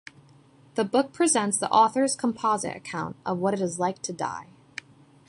The book presents the author's composite account of what it is like to die.